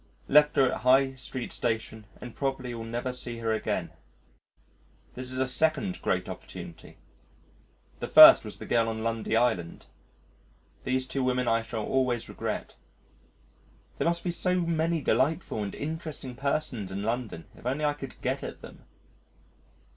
Left her at High Street Station and probably will never see her again. This is a second great opportunity. The first was the girl on Lundy Island. These two women I shall always regret. There must be so many delightful and interesting persons in London if only I could get at them.